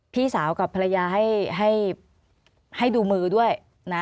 พี่สาวกับภรรยาให้ดูมือด้วยนะ